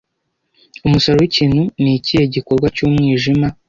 Umusaruro wikintu nikihe gikorwa cyumwijima